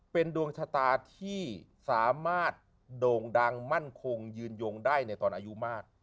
เป็นดวงชะตาที่สามารถโด่งดังมั่นคงยืนยงได้ในตอนอายุมาก